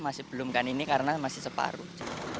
masih belumkan ini karena masih separuh